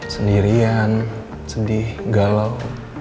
sendirian sedih galau